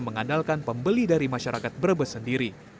mengandalkan pembeli dari masyarakat brebes sendiri